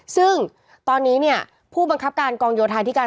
ซึ่งตอนนี้เนี่ยผู้บังคับการกองโยธาธิการ